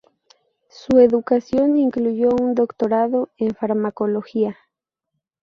Su educación incluyó un doctorado en farmacología.